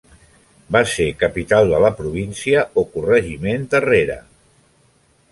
Va ser capital de la província o Corregiment de Rere.